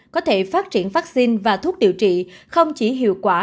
có thể phát triển vaccine và thuốc điều trị không chỉ hiệu quả